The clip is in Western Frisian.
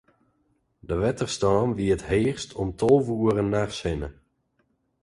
De wetterstân wie it heechst om tolve oere nachts hinne.